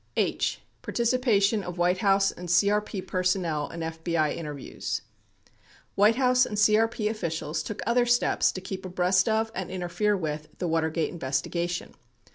17 H. Participation op White House and GRP Personnel in FBI Interviews White House and CRP officials took other steps to keep abreast of and interfere with the Watergate investigation.